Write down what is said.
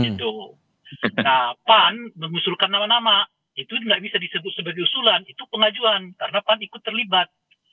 nah pan mengusulkan nama nama itu tidak bisa disebut sebagai usulan itu pengajuan karena pan ikut terlibat